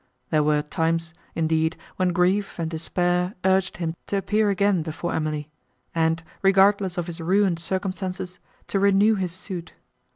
There were times, indeed, when grief and despair urged him to appear again before Emily, and, regardless of his ruined circumstances, to renew his suit.